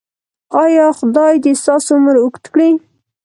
ایا خدای دې ستاسو عمر اوږد کړي؟